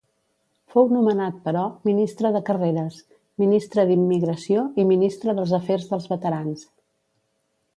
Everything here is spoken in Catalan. Fou nomenat, però, Ministre de Carreres, Ministre d'Immigració i Ministre dels Afers dels Veterans.